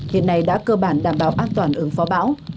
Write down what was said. hiện nay đã cơ bản đảm bảo an toàn ứng phó bão